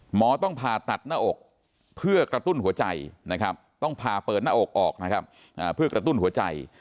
หมอต้องพาตัดหน้าอกเพื่อกระตุ้นหัวใจต้องพาเปิดหน้าอกออกเพื่อกระตุ้นหัวใจ